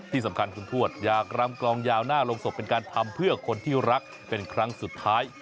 ที่สำคัญคุณทวดอยากรำกลองยาวหน้าโรงศพเป็นการทำเพื่อคนที่รักเป็นครั้งสุดท้าย